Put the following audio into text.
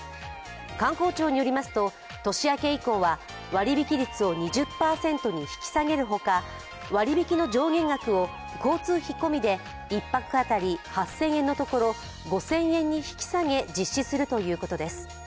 観光庁によりますと、年明け以降は割引率を２０％に引き下げるほか割引の上限額を交通費込みで１泊当たり８０００円のところ５０００円に引き下げ、実施するということです。